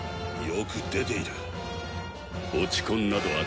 よく出ていた。